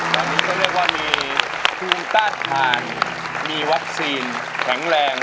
ตอนนี้ก็เรียกว่ามีภูมิต้านทานมีวัคซีนแข็งแรง